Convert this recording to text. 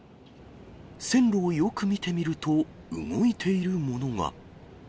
線路をよく見てみると、動いているものが。